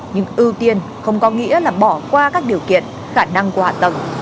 nhưng ưu tiên không có nghĩa là bỏ qua các điều kiện khả năng của hạ tầng